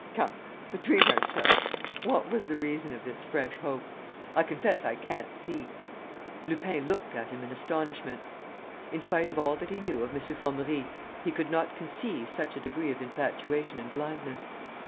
... Come, between ourselves, what was the reason of this fresh hoax? ... I confess I can't see ..." Lupin looked at him in astonishment. In spite of all that he knew of M. Formerie, he could not conceive such a degree of infatuation and blindness.